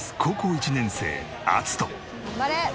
「頑張れ！」